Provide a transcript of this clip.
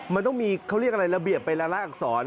มันต้องมีเขาเรียกอะไรระเบียบไปละลายอักษร